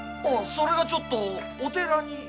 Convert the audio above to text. それがちょっとお寺に。